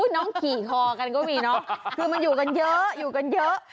น้องขี่คอกันก็มีเนาะคือมันอยู่กันเยอะอยู่กันเยอะ